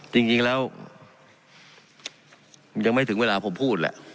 จริงแล้วยังไม่ถึงเวลาผมพูดแหละ